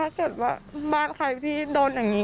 เกิดว่าบ้านใครที่โดนอย่างนี้